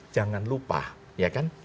jangan lupa ya kan